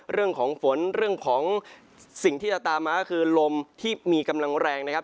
เรื่องของฝนเรื่องของสิ่งที่จะตามมาก็คือลมที่มีกำลังแรงนะครับ